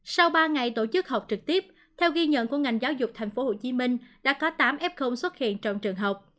sau ba ngày tổ chức học trực tiếp theo ghi nhận của ngành giáo dục tp hcm đã có tám f xuất hiện trong trường học